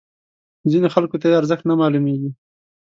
ځینو خلکو ته یې ارزښت نه معلومیږي.